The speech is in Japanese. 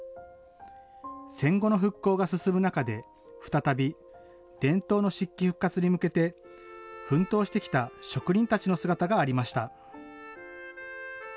戦後の復興が進む中で、再び、伝統の漆器復活に向けて奮闘してきた職人たちの姿がありました。